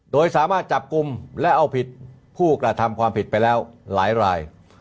โดยสามารถจับกลุ่มและเอาผิดผู้กระทำความผิดไปแล้วหลายราย